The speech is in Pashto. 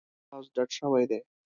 د احمد اواز ډډ شوی دی.